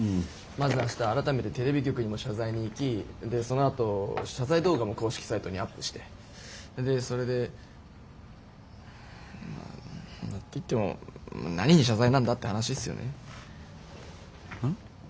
まず明日改めてテレビ局にも謝罪に行きでそのあと謝罪動画も公式サイトにアップしてでそれで。っていっても何に謝罪なんだって話っすよね。